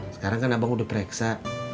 sekarang kan abang udah pereksa